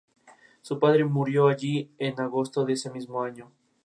Su padre, Chris Crawford, es dermatólogo y su madre, Dana, es profesora.